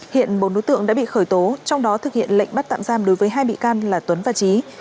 hiện bốn đối tượng đã bị khởi tố trong đó thực hiện lệnh bắt tạm giam đối với hai bị can là tuấn và trí